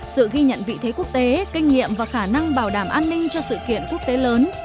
sự ghi nhận vị thế quốc tế kinh nghiệm và khả năng bảo đảm an ninh cho sự kiện quốc tế lớn